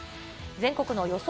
全国の予想